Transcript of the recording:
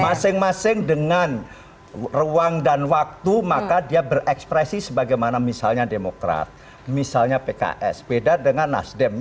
masing masing dengan ruang dan waktu maka dia berekspresi sebagaimana misalnya demokrat misalnya pks beda dengan nasdem